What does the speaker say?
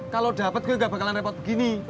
kalo dapet kalo ke gak bakalan repot begini